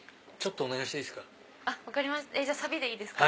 お願いしていいですか？